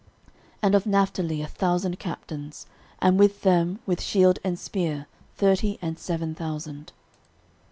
13:012:034 And of Naphtali a thousand captains, and with them with shield and spear thirty and seven thousand.